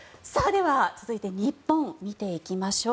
続いて日本を見ていきましょう。